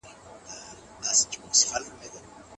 پوهه په ښوونځي کې ارزښت لري.